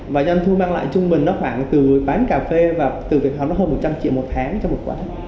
và nhân thu mang lại trung bình khoảng từ bán cà phê và từ việc học nó hơn một trăm linh triệu một tháng cho một quán